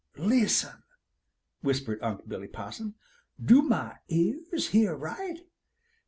] "Listen!" whispered Unc' Billy Possum. "Do mah ol' ears hear right?